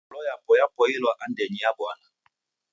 Ngolo yapo yapoelewa andenyi ya bwana.